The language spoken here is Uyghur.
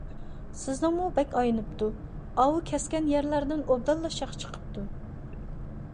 سىزنىڭمۇ بەك ئاينىپتۇ، ئاۋۇ كەسكەن يەرلەردىن ئوبدانلا شاخ چىقىپتۇ.